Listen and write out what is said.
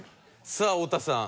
さあ太田さん。